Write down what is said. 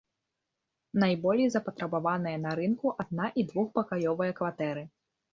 Найболей запатрабаваныя на рынку адна- і двухпакаёвыя кватэры.